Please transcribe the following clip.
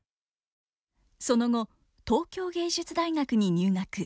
その後東京藝術大学に入学。